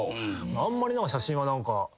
あんまり写真は何か。